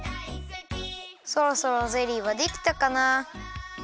そろそろゼリーはできたかな。